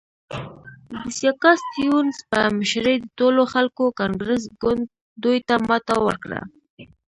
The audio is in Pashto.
د سیاکا سټیونز په مشرۍ د ټولو خلکو کانګرس ګوند دوی ته ماته ورکړه.